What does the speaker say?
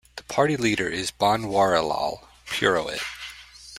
The party leader is Banwarilal Purohit.